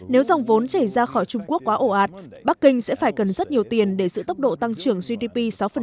nếu dòng vốn chảy ra khỏi trung quốc quá ổ ạt bắc kinh sẽ phải cần rất nhiều tiền để giữ tốc độ tăng trưởng gdp sáu